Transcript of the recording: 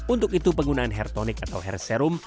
untuk itu penggunaan hair tonic atau hair serum